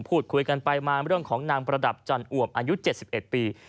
พูดคุยกันไปมาเรื่องของนางประดับจันอวบอายุ๗๑ปี